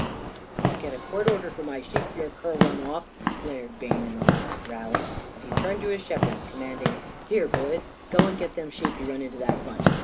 "I'll get a court order for my sheep your cur run off!" flared Bayne in a last rally; and he turned to his shepherds, commanding: "Here, boys, go and get them sheep he run into that bunch.